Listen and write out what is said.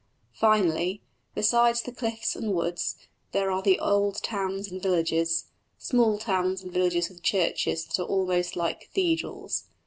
Finally, besides the cliffs and woods, there are the old towns and villages small towns and villages with churches that are almost like cathedrals.